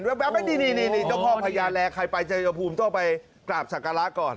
เจ้าพ่อพญาแลใครไปชายภูมิต้องไปกราบสักการะก่อน